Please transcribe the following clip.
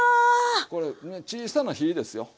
これね小さな火ですよ。